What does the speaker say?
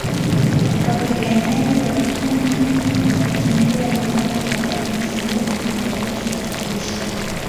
Wapiganaji wa kundi hilo walikimbilia Uganda baada ya kuzidiwa na mikakati ya kijeshi